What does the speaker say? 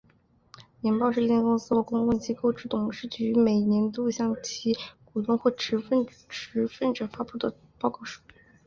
年报是一间公司或公共机构之董事局每年度向其股东或持份者发布的报告书。